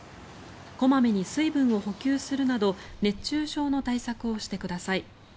小まめに水分を補給するなど熱中症の対策をしてください。